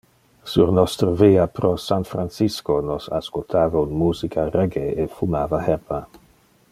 Sur nostre via pro San Francisco, nos ascoltava un musica reggae e fumava herba.